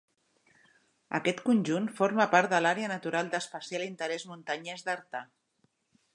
Aquest conjunt forma part de l'Àrea Natural d'Especial Interès Muntanyes d'Artà.